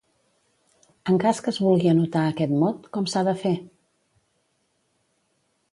En cas que es vulgui anotar aquest mot, com s'ha de fer?